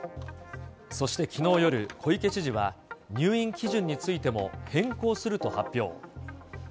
そして、きのう夜、小池知事は、入院基準についても変更すると発表。